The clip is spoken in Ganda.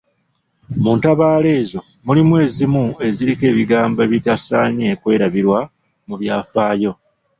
Mu ntabaalo ezo, mulimu ezimu eziriko ebigambo ebitasaanye kwerabirwa mu byafaayo.